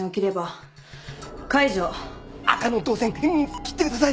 赤の導線切ってください。